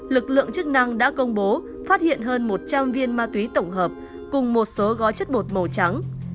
lực lượng chức năng đã công bố phát hiện hơn một trăm linh viên ma túy tổng hợp cùng một số gói chất bột màu trắng